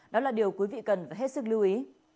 đó là điều quý vị cần phải hết sức lưu ý